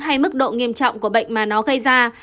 hay mức độ nghiêm trọng của bệnh mà nó gây ra